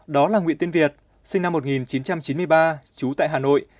đó là nguyễn tiên việt sinh năm một nghìn chín trăm chín mươi ba trú tại hà nội